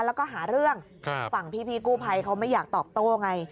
แล้วก็หาเรื่องฝั่งพี่กู้ภัยเขาไม่อยากตอบโต้ไง